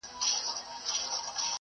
څه زلمي به مات په زړونو کې ناکام شي